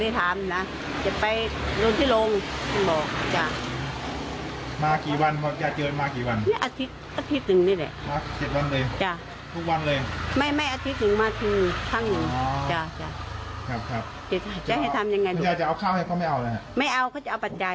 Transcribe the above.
ได้ทำยังไงอยู่ฟุนอยาจะเอาข้าวให้ไม่เอาก็จะเอาปัจจัย